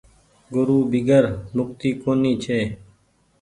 گورو بيگير مڪتي ڪونيٚ ڇي۔